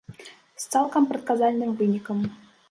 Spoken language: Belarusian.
З цалкам прадказальным вынікам.